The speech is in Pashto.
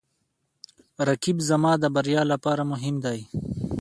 رقیب زما د بریا لپاره مهم دی